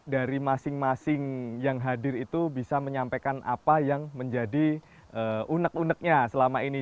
dari masing masing yang hadir itu bisa menyampaikan apa yang menjadi unek uneknya selama ini